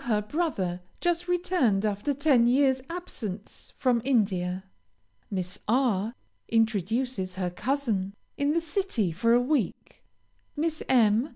her brother, just returned, after ten years' absence, from India. Miss R. introduces her cousin, in the city for a week. Miss M.